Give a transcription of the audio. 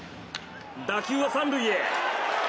打球は３塁へ。